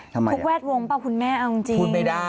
ทุกแวดวงเปล่าคุณแม่เอาจริง